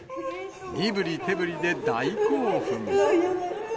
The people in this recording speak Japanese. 身ぶり手ぶりで大興奮。